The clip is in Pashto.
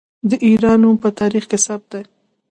د ایران نوم په تاریخ کې ثبت دی.